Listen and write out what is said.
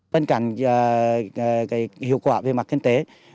bên cạnh hiệu quả về mặt kinh tế